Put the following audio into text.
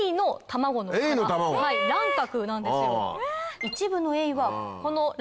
卵殻なんですよ。